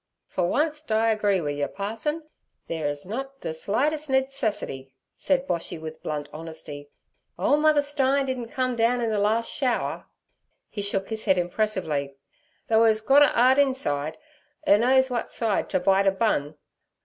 'For onct I agree wi' yer, parson: theere's nut ther slightest needcesity' said Boshy with blunt honesty. 'Ole mother Stein didn't come down in ther last shower.' He shook his head impressively. 'Though 'er's gut a 'ard inside, 'er knows wut side to bite a bun.